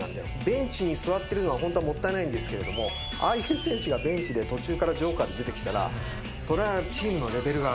ベンチに座ってるのはホントはもったいないんですがああいう選手がベンチで途中からジョーカーで出てきたらそれは。